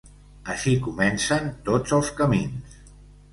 Així comencen tots els camins.